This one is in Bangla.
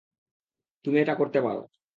তুমি এটা করতে পার!